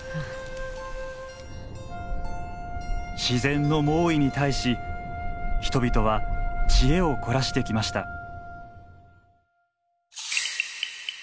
自然の猛威に対し人々は知恵を凝らしてきました。